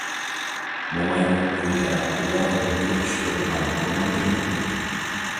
موماينىڭ ئۆيىدە ئۇلارغا بۇيرۇق چۈشۈرىدىغان كوماندىر يوق ئىدى.